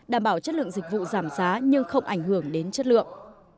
đảm bảo chất lượng dịch vụ giảm giá nhưng không ảnh hưởng đến chất lượng